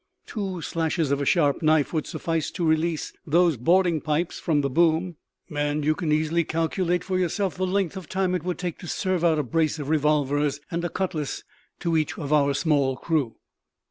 Two slashes of a sharp knife would suffice to release those boarding pikes from the boom; and you can easily calculate for yourself the length of time it would take to serve out a brace of revolvers and a cutlass to each of our small crew."